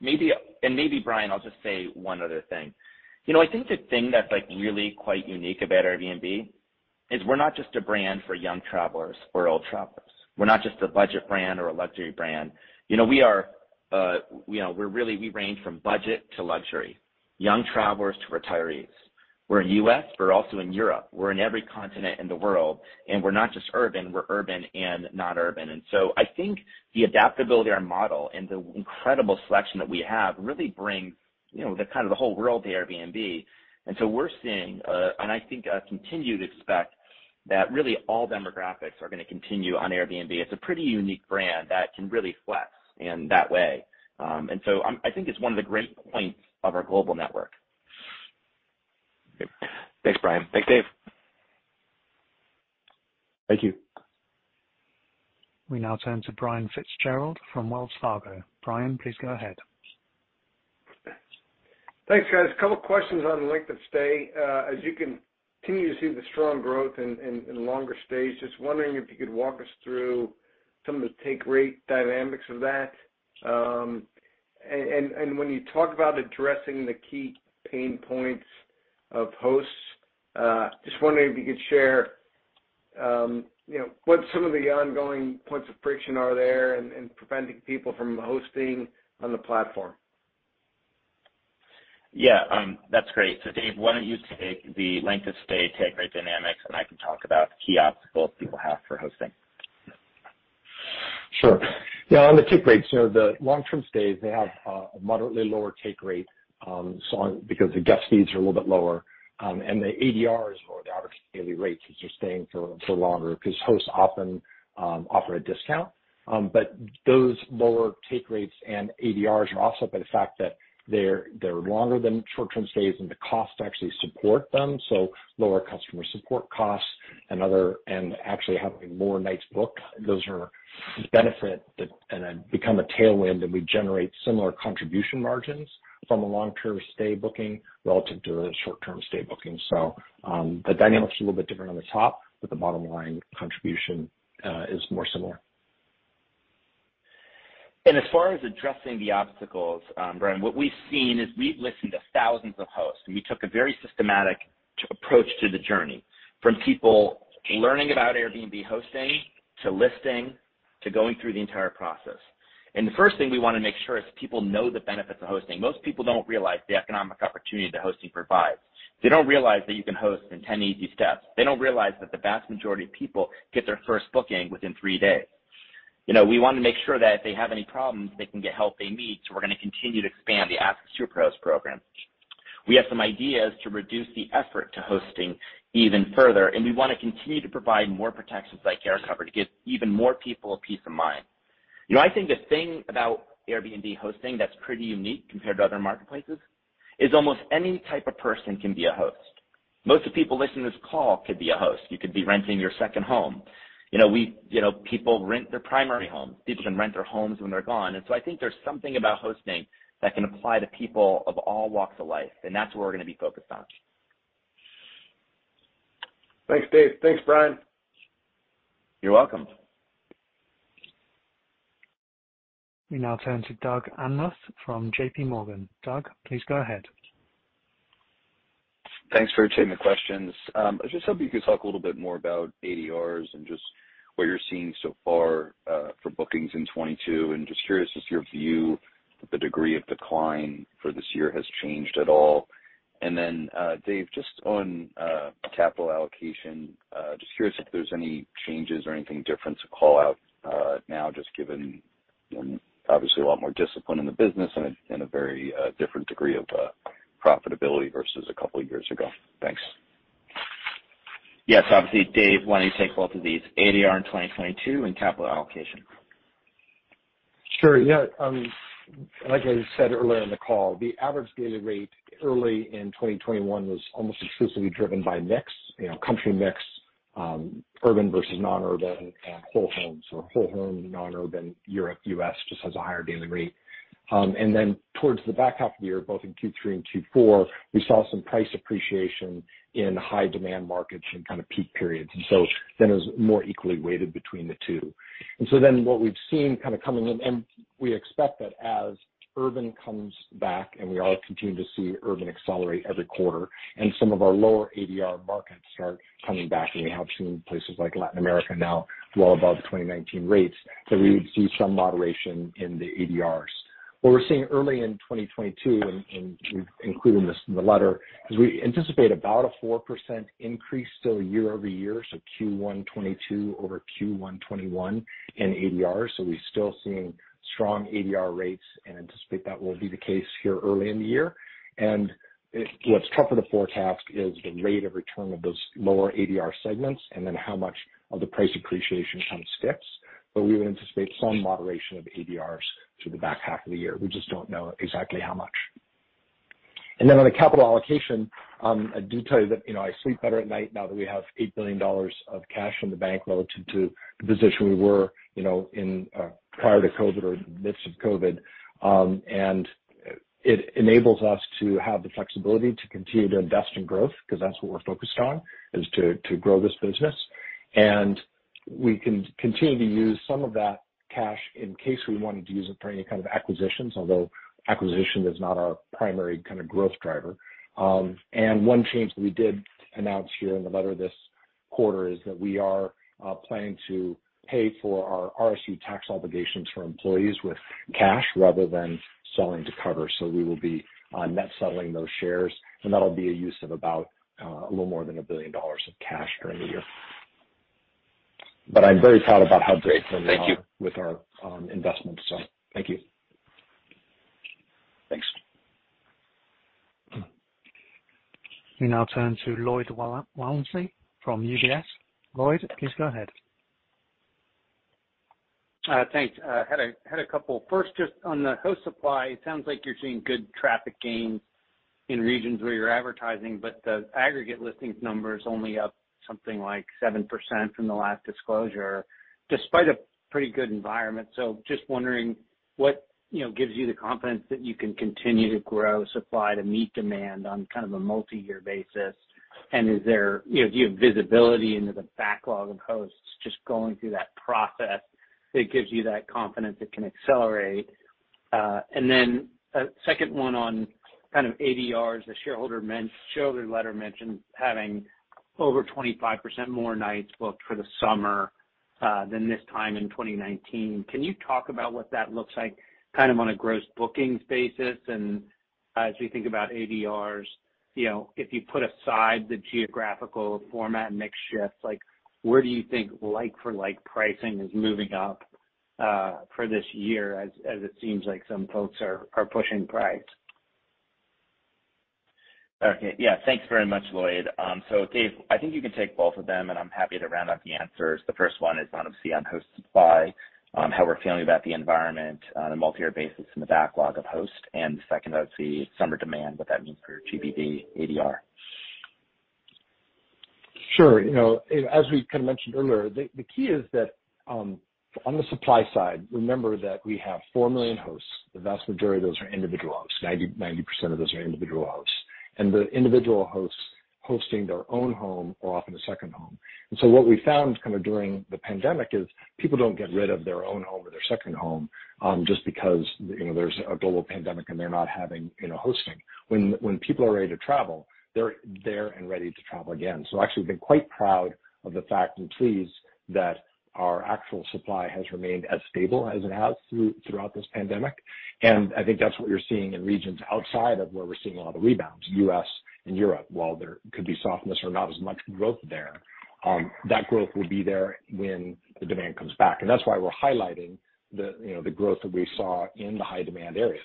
Maybe, Brian, I'll just say one other thing. You know, I think the thing that's, like, really quite unique about Airbnb is we're not just a brand for young travelers or old travelers. We're not just a budget brand or a luxury brand. You know, we are, you know, we're really, we range from budget to luxury, young travelers to retirees. We're in U.S., we're also in Europe. We're in every continent in the world, and we're not just urban, we're urban and non-urban. I think the adaptability of our model and the incredible selection that we have really brings, you know, the kind of the whole world to Airbnb. We're seeing, and I think, continue to expect that really all demographics are gonna continue on Airbnb. It's a pretty unique brand that can really flex in that way. I think it's one of the great points of our global network. Thanks, Brian. Thanks, Dave. Thank you. We now turn to Brian Fitzgerald from Wells Fargo. Brian, please go ahead. Thanks, guys. A couple questions on the length of stay. As you continue to see the strong growth in longer stays, just wondering if you could walk us through some of the take rate dynamics of that. And when you talk about addressing the key pain points of hosts, just wondering if you could share, you know, what some of the ongoing points of friction are there and preventing people from hosting on the platform. Yeah, that's great. Dave, why don't you take the length of stay take rate dynamics, and I can talk about key obstacles people have for hosting. Sure. Yeah, on the take rates, you know, the long-term stays, they have a moderately lower take rate, because the guest fees are a little bit lower, and the ADR is lower, the average daily rate since they're staying for longer because hosts often offer a discount. Those lower take rates and ADRs are offset by the fact that they're longer than short-term stays and the cost to actually support them, so lower customer support costs and actually having more nights booked, those are benefits that then become a tailwind, and we generate similar contribution margins from a long-term stay booking relative to a short-term stay booking. The dynamic's a little bit different on the top, but the bottom line contribution is more similar. As far as addressing the obstacles, Brian, what we've seen is we've listened to thousands of hosts, and we took a very systematic approach to the journey, from people learning about Airbnb hosting to listing, to going through the entire process. The first thing we wanna make sure is people know the benefits of hosting. Most people don't realize the economic opportunity that hosting provides. They don't realize that you can host in 10 easy steps. They don't realize that the vast majority of people get their first booking within 3 days. You know, we wanna make sure that if they have any problems, they can get help they need, so we're gonna continue to expand the Ask a Superhost program. We have some ideas to reduce the effort to hosting even further, and we wanna continue to provide more protections like AirCover to give even more people a peace of mind. You know, I think the thing about Airbnb hosting that's pretty unique compared to other marketplaces is almost any type of person can be a host. Most of the people listening to this call could be a host. You could be renting your second home. You know, people rent their primary home. People can rent their homes when they're gone. I think there's something about hosting that can apply to people of all walks of life, and that's where we're gonna be focused on. Thanks, Dave. Thanks, Brian. You're welcome. We now turn to Doug Anmuth from JPMorgan. Doug, please go ahead. Thanks for taking the questions. I was just hoping you could talk a little bit more about ADRs and just what you're seeing so far for bookings in 2022. Just curious as to your view if the degree of decline for this year has changed at all. Then, Dave, just on capital allocation, just curious if there's any changes or anything different to call out now just given, you know, obviously a lot more discipline in the business and a very different degree of profitability versus a couple of years ago. Thanks. Yes. Obviously, Dave, why don't you take both of these, ADR in 2022 and capital allocation. Sure. Yeah. Like I said earlier in the call, the average daily rate early in 2021 was almost exclusively driven by mix, you know, country mix, urban versus non-urban and whole homes or whole home non-urban. Europe, U.S. just has a higher daily rate. Then towards the back half of the year, both in Q3 and Q4, we saw some price appreciation in high demand markets in kind of peak periods. It was more equally weighted between the two. What we've seen kind of coming in, and we expect that as urban comes back, and we are continuing to see urban accelerate every quarter, and some of our lower ADR markets start coming back, and we have seen places like Latin America now well above 2019 rates, that we would see some moderation in the ADRs. What we're seeing early in 2022, and we've included this in the letter, is we anticipate about a 4% increase still year-over-year, so Q1 2022 over Q1 2021 in ADR. We're still seeing strong ADR rates and anticipate that will be the case here early in the year. What's tougher to forecast is the rate of return of those lower ADR segments and then how much of the price appreciation kind of sticks, but we would anticipate some moderation of ADRs through the back half of the year. We just don't know exactly how much. On the capital allocation, I do tell you that, you know, I sleep better at night now that we have $8 billion of cash in the bank relative to the position we were, you know, in, prior to COVID or midst of COVID. It enables us to have the flexibility to continue to invest in growth because that's what we're focused on, is to grow this business. We can continue to use some of that cash in case we wanted to use it for any kind of acquisitions, although acquisition is not our primary kind of growth driver. One change that we did announce here in the letter this quarter is that we are planning to pay for our RSU tax obligations for employees with cash rather than selling to cover. We will be net settling those shares, and that'll be a use of about a little more than $1 billion of cash during the year. I'm very proud about how gracefully we are- Thank you. With our investments, so thank you. Thanks. We now turn to Lloyd Walmsley from UBS. Lloyd, please go ahead. Thanks. I had a couple. First, just on the host supply, it sounds like you're seeing good traffic gains in regions where you're advertising, but the aggregate listings number is only up something like 7% from the last disclosure, despite a pretty good environment. Just wondering what, you know, gives you the confidence that you can continue to grow supply to meet demand on kind of a multi-year basis. Is there-- You know, do you have visibility into the backlog of hosts just going through that process that gives you that confidence it can accelerate? Then a second one on kind of ADRs. The shareholder letter mentioned having over 25% more nights booked for the summer, than this time in 2019. Can you talk about what that looks like kind of on a gross bookings basis? As we think about ADRs, you know, if you put aside the geographical format and mix shifts, like where do you think like for like pricing is moving up, for this year, as it seems like some folks are pushing price? Thanks very much, Lloyd. So Dave, I think you can take both of them, and I'm happy to round out the answers. The first one is obviously on host supply, how we're feeling about the environment on a multi-year basis and the backlog of hosts. The second one is obviously on summer demand, what that means for GBV ADR. Sure. You know, as we kind of mentioned earlier, the key is that, on the supply side, remember that we have 4 million hosts. The vast majority of those are individual hosts. 90% of those are individual hosts. The individual hosts hosting their own home or often a second home. What we found kind of during the pandemic is people don't get rid of their own home or their second home, just because, you know, there's a global pandemic and they're not having, you know, hosting. When people are ready to travel, they're there and ready to travel again. Actually, we've been quite proud of the fact, and pleased, that our actual supply has remained as stable as it has throughout this pandemic. I think that's what you're seeing in regions outside of where we're seeing a lot of rebounds, U.S. and Europe. While there could be softness or not as much growth there, that growth will be there when the demand comes back. That's why we're highlighting the, you know, the growth that we saw in the high demand areas.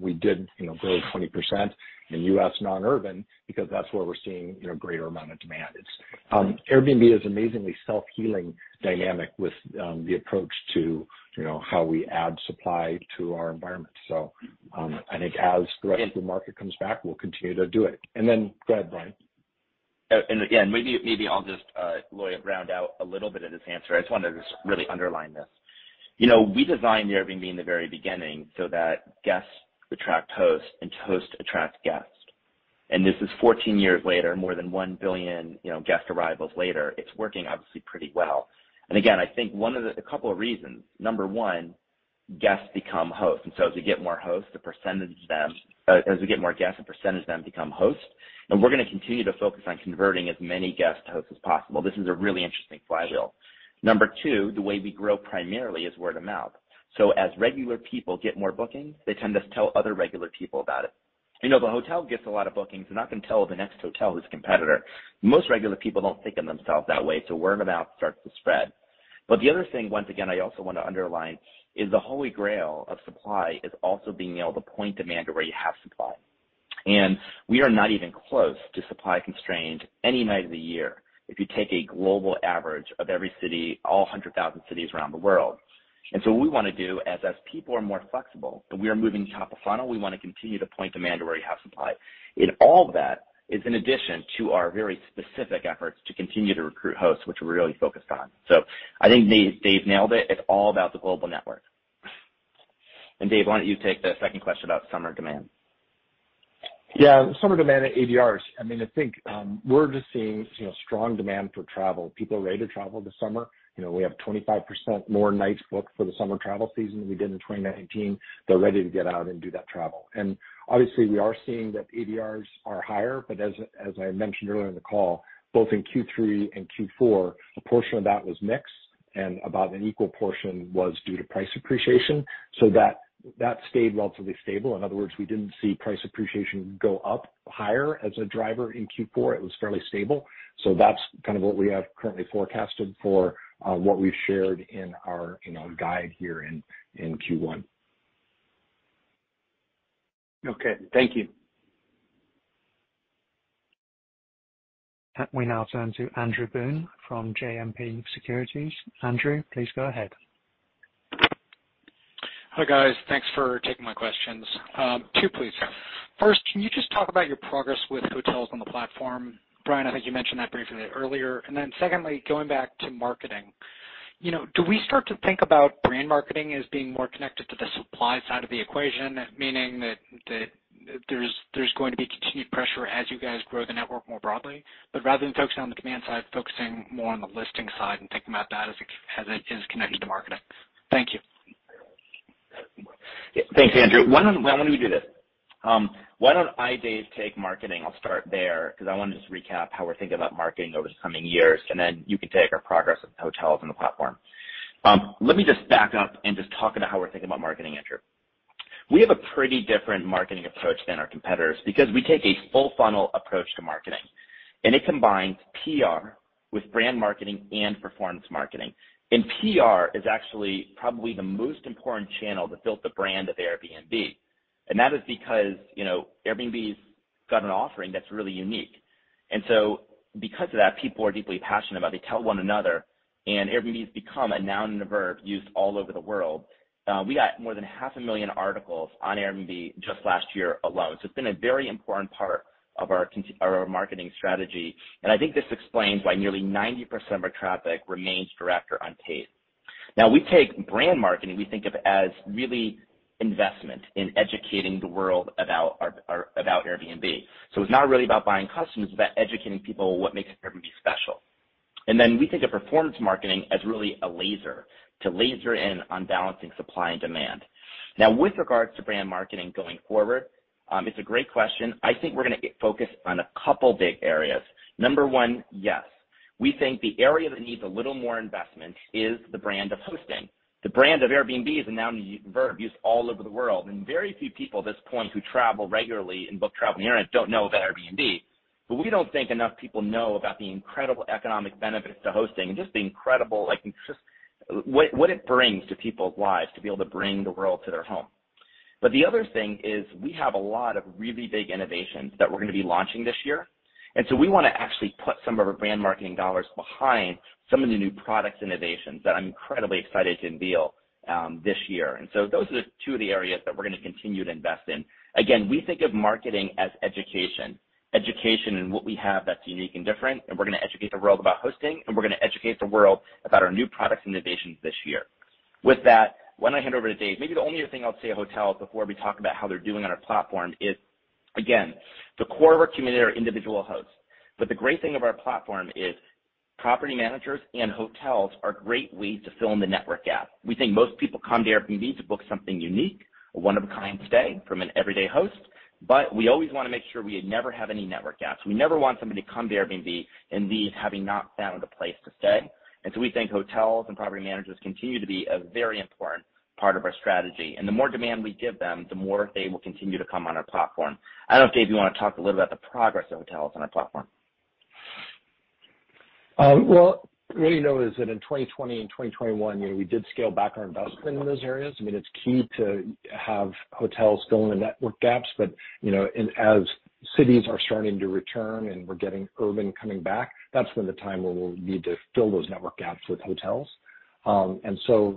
We did, you know, grow 20% in U.S. non-urban because that's where we're seeing, you know, greater amount of demand. Airbnb is amazingly self-healing dynamic with the approach to, you know, how we add supply to our environment. I think as the rest of the market comes back, we'll continue to do it. Go ahead, Brian. Again, maybe I'll just, Lloyd, round out a little bit of this answer. I just wanted to just really underline this. You know, we designed Airbnb in the very beginning so that guests attract hosts and hosts attract guests. This is 14 years later, more than 1 billion, you know, guest arrivals later. It's working obviously pretty well. I think one of a couple of reasons. Number one, guests become hosts. As we get more hosts, the percentage of them as we get more guests, the percentage of them become hosts. We're gonna continue to focus on converting as many guests to hosts as possible. This is a really interesting flywheel. Number two, the way we grow primarily is word of mouth. As regular people get more bookings, they tend to tell other regular people about it. You know, the hotel gets a lot of bookings. They're not gonna tell the next hotel who's a competitor. Most regular people don't think of themselves that way, so word of mouth starts to spread. The other thing, once again, I also want to underline, is the holy grail of supply is also being able to point demand to where you have supply. We are not even close to supply constrained any night of the year if you take a global average of every city, all 100,000 cities around the world. What we wanna do as people are more flexible and we are moving top of funnel, we wanna continue to point demand to where we have supply. In all that is in addition to our very specific efforts to continue to recruit hosts, which we're really focused on. I think Dave nailed it. It's all about the global network. Dave, why don't you take the second question about summer demand? Yeah, summer demand at ADRs. I mean, I think we're just seeing, you know, strong demand for travel. People are ready to travel this summer. You know, we have 25% more nights booked for the summer travel season than we did in 2019. They're ready to get out and do that travel. Obviously we are seeing that ADRs are higher. As I mentioned earlier in the call, both in Q3 and Q4, a portion of that was mix, and about an equal portion was due to price appreciation. That stayed relatively stable. In other words, we didn't see price appreciation go up higher as a driver in Q4. It was fairly stable. That's kind of what we have currently forecasted for what we've shared in our guide here in Q1. Okay, thank you. We now turn to Andrew Boone from JMP Securities. Andrew, please go ahead. Hi, guys. Thanks for taking my questions. Two, please. First, can you just talk about your progress with hotels on the platform? Brian, I think you mentioned that briefly earlier. Secondly, going back to marketing. You know, do we start to think about brand marketing as being more connected to the supply side of the equation, meaning that there's going to be continued pressure as you guys grow the network more broadly, but rather than focusing on the demand side, focusing more on the listing side and thinking about that as it is connected to marketing? Thank you. Thanks, Andrew. Why don't we do this? Why don't I, Dave, take marketing? I'll start there because I wanna just recap how we're thinking about marketing over the coming years, and then you can take our progress with hotels on the platform. Let me just back up and just talk about how we're thinking about marketing, Andrew. We have a pretty different marketing approach than our competitors because we take a full funnel approach to marketing, and it combines PR with brand marketing and performance marketing. PR is actually probably the most important channel to build the brand of Airbnb. That is because, you know, Airbnb's got an offering that's really unique. Because of that, people are deeply passionate about it. They tell one another, and Airbnb's become a noun and a verb used all over the world. We got more than 500,000 articles on Airbnb just last year alone. It's been a very important part of our marketing strategy. I think this explains why nearly 90% of our traffic remains direct or organic. Now we take brand marketing, we think of it as really investment in educating the world about Airbnb. It's not really about buying customers, it's about educating people what makes Airbnb special. Then we think of performance marketing as really a laser to laser in on balancing supply and demand. Now with regards to brand marketing going forward, it's a great question. I think we're gonna get focused on a couple big areas. Number one, yes. We think the area that needs a little more investment is the brand of hosting. The brand of Airbnb is a noun and verb used all over the world, and very few people at this point who travel regularly and book travel on the internet don't know about Airbnb. We don't think enough people know about the incredible economic benefits to hosting and just the incredible, like, just what it brings to people's lives to be able to bring the world to their home. The other thing is we have a lot of really big innovations that we're gonna be launching this year. We wanna actually put some of our brand marketing dollars behind some of the new products innovations that I'm incredibly excited to unveil this year. Those are the two of the areas that we're gonna continue to invest in. Again, we think of marketing as education. Education in what we have that's unique and different, and we're gonna educate the world about hosting, and we're gonna educate the world about our new products innovations this year. With that, why don't I hand over to Dave? Maybe the only other thing I'll say of hotels before we talk about how they're doing on our platform is, again, the core of our community are individual hosts. But the great thing of our platform is property managers and hotels are great ways to fill in the network gap. We think most people come to Airbnb to book something unique, a one-of-a-kind stay from an everyday host. But we always wanna make sure we never have any network gaps. We never want somebody to come to Airbnb and leave having not found a place to stay. We think hotels and property managers continue to be a very important part of our strategy. The more demand we give them, the more they will continue to come on our platform. I don't know if, Dave, you wanna talk a little about the progress of hotels on our platform. What we know is that in 2020 and 2021, you know, we did scale back our investment in those areas. I mean, it's key to have hotels fill in the network gaps. You know, as cities are starting to return and we're getting urban coming back, that's when the time where we'll need to fill those network gaps with hotels.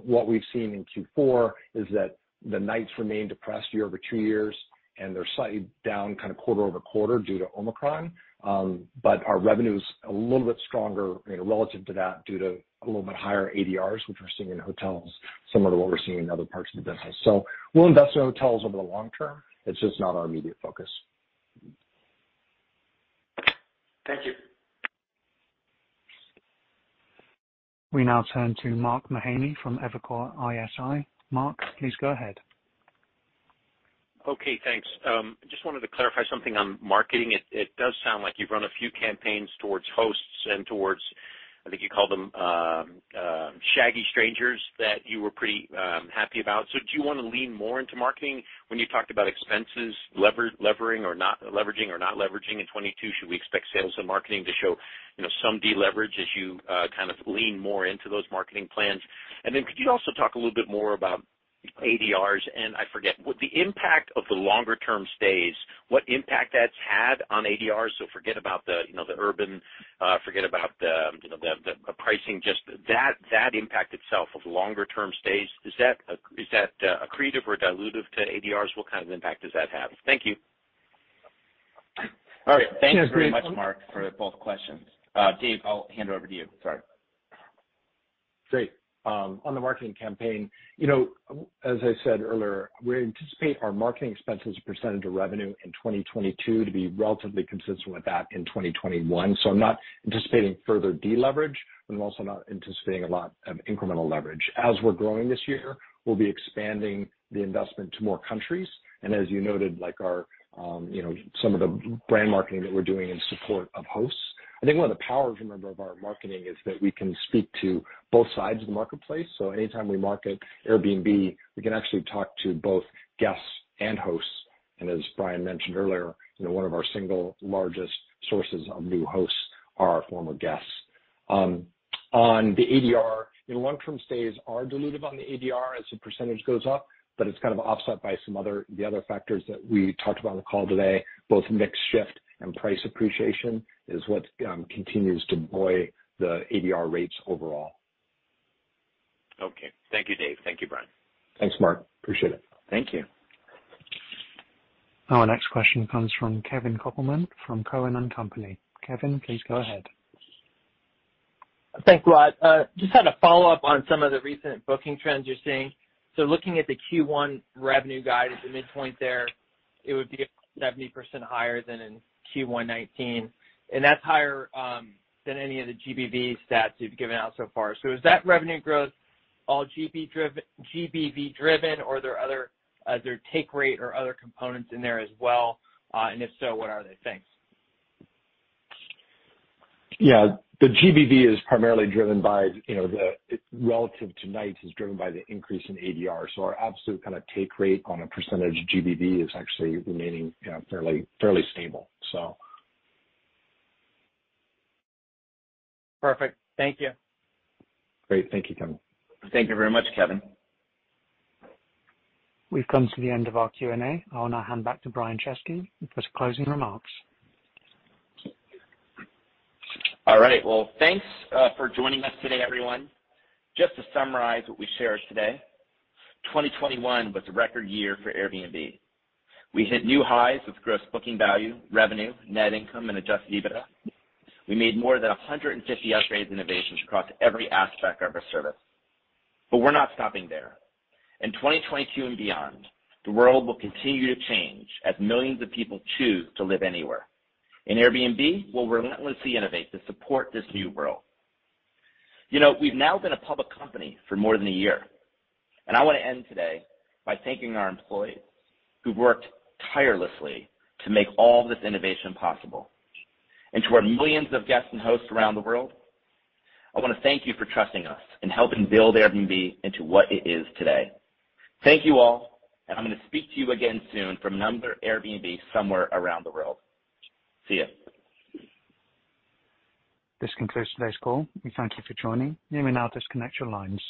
What we've seen in Q4 is that the nights remain depressed year-over-year, and they're slightly down kind of quarter-over-quarter due to Omicron. Our revenue's a little bit stronger, you know, relative to that due to a little bit higher ADRs which we're seeing in hotels, similar to what we're seeing in other parts of the business. We'll invest in hotels over the long term. It's just not our immediate focus. Thank you. We now turn to Mark Mahaney from Evercore ISI. Mark, please go ahead. Okay, thanks. Just wanted to clarify something on marketing. It does sound like you've run a few campaigns towards hosts and towards, I think you called them, shaggy strangers that you were pretty happy about. Do you wanna lean more into marketing when you talked about expenses leveraging or not leveraging in 2022? Should we expect sales and marketing to show, you know, some deleverage as you kind of lean more into those marketing plans? Then could you also talk a little bit more about ADRs? And I forget what impact the longer term stays has had on ADRs. Forget about the urban, forget about the pricing, just that impact itself of longer term stays. Is that accretive or dilutive to ADRs? What kind of impact does that have? Thank you. All right. Thank you very much, Mark, for both questions. Dave, I'll hand over to you. Sorry. Great. On the marketing campaign, you know, as I said earlier, we anticipate our marketing expenses percentage of revenue in 2022 to be relatively consistent with that in 2021. I'm not anticipating further deleverage, but I'm also not anticipating a lot of incremental leverage. As we're growing this year, we'll be expanding the investment to more countries, and as you noted, like our, you know, some of the brand marketing that we're doing in support of hosts. I think one of the powers, remember, of our marketing is that we can speak to both sides of the marketplace. Anytime we market Airbnb, we can actually talk to both guests and hosts. As Brian mentioned earlier, you know, one of our single largest sources of new hosts are our former guests. On the ADR, you know, long-term stays are dilutive on the ADR as the percentage goes up, but it's kind of offset by the other factors that we talked about on the call today, both mix shift and price appreciation is what continues to buoy the ADR rates overall. Okay. Thank you, Dave. Thank you, Brian. Thanks, Mark. I appreciate it. Thank you. Our next question comes from Kevin Kopelman from Cowen and Company. Kevin, please go ahead. Thanks a lot. Just had a follow-up on some of the recent booking trends you're seeing. Looking at the Q1 revenue guide at the midpoint there, it would be 70% higher than in Q1 2019, and that's higher than any of the GBV stats you've given out so far. Is that revenue growth all GBV driven or are there other take rate or other components in there as well? And if so, what are they? Thanks. Yeah. The GBV is primarily driven by, you know, the relative to nights is driven by the increase in ADR. So our absolute kind of take rate on a percentage of GBV is actually remaining, you know, fairly stable. So. Perfect. Thank you. Great. Thank you, Kevin. Thank you very much, Kevin. We've come to the end of our Q&A. I'll now hand back to Brian Chesky for his closing remarks. All right. Well, thanks for joining us today, everyone. Just to summarize what we shared today. 2021 was a record year for Airbnb. We hit new highs with gross booking value, revenue, net income and adjusted EBITDA. We made more than 150 upgrades and innovations across every aspect of our service. We're not stopping there. In 2022 and beyond, the world will continue to change as millions of people choose to live anywhere. Airbnb will relentlessly innovate to support this new world. You know, we've now been a public company for more than a year, and I wanna end today by thanking our employees who've worked tirelessly to make all this innovation possible. To our millions of guests and hosts around the world, I wanna thank you for trusting us and helping build Airbnb into what it is today. Thank you all, and I'm gonna speak to you again soon from another Airbnb somewhere around the world. See ya. This concludes today's call. We thank you for joining. You may now disconnect your lines.